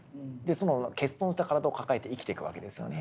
その欠損した体を抱えて生きていくわけですよね。